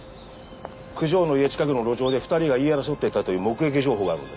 九条の家近くの路上で２人が言い争っていたという目撃情報があるんだよ。